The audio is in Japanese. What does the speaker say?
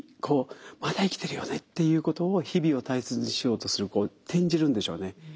こうまだ生きてるよねっていうことを日々を大切にしようとするこう転じるんでしょうね。